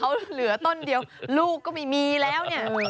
เขาเหลือต้นเดียวลูกก็ไม่มีแล้วเนี่ย